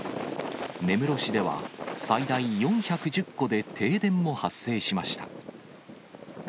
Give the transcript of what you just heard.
根室市では、最大４１０戸で停電も発生しました。